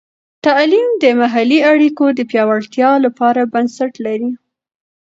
تعلیم د محلي اړیکو د پیاوړتیا لپاره بنسټ لري.